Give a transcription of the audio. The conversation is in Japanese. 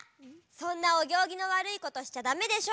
そんなおぎょうぎのわるいことしちゃダメでしょ！